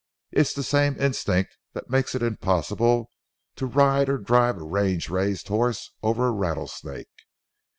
It's the same instinct that makes it impossible to ride or drive a range raised horse over a rattlesnake.